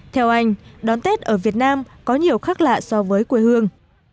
theo anh đón tết ở việt nam có nhiều khác lạ so với quê hương